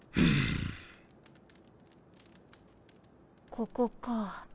ここか。